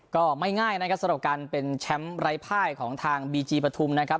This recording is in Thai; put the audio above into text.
ก็ไม่ง่ายนะครับสำหรับการเป็นแชมป์ไร้ภายของทางบีจีปฐุมนะครับ